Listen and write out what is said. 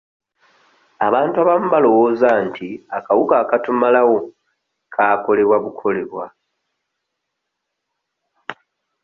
Abantu abamu balowooza nti akawuka akatumalawo kaakolebwa bukolebwa.